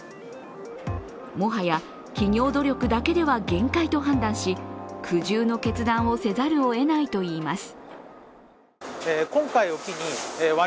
もはや企業努力だけでは限界と判断し、苦渋の決断をせざるをえないといいます。